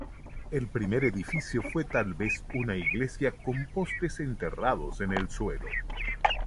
El primer edificio fue tal vez una iglesia con postes enterrados en el suelo.